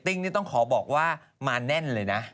พี่ปุ้ยลูกโตแล้ว